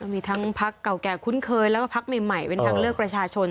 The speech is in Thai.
มีทั้งพักเก่าแก่คุ้นเคยแล้วก็พักใหม่เป็นทางเลือกประชาชน